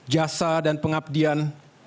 jasa dan pengabdian